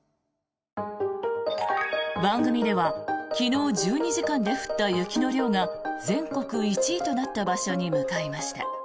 番組では昨日１２時間で降った雪の量が全国１位となった場所に向かいました。